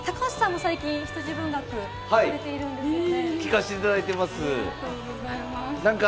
高橋さんも最近、羊文学を聴かれているんですよね。